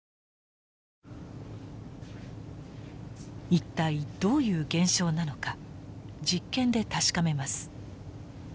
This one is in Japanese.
一体どういう現象なのか実験で確かめます。